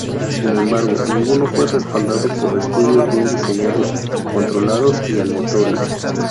Sin embargo, ninguno fue respaldado por estudios bien diseñados, controlados y aleatorios.